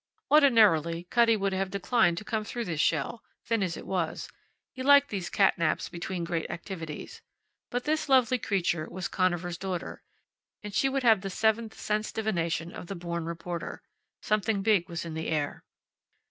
Ordinarily Cutty would have declined to come through this shell, thin as it was; he liked these catnaps between great activities. But this lovely creature was Conover's daughter, and she would have the seventh sense divination of the born reporter. Something big was in the air.